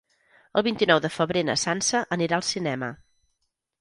El vint-i-nou de febrer na Sança anirà al cinema.